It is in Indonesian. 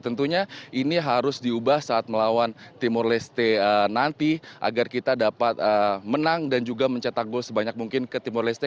tentunya ini harus diubah saat melawan timor leste nanti agar kita dapat menang dan juga mencetak gol sebanyak mungkin ke timur leste